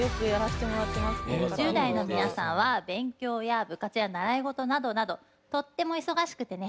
１０代の皆さんは勉強や部活や習い事などなどとっても忙しくてね